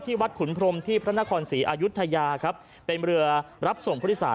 วัดขุนพรมที่พระนครศรีอายุทยาครับเป็นเรือรับส่งพุทธศาส